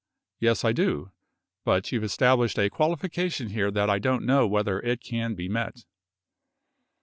Yes ; I do, but you've established a qualification here that I don't know whether it can be met.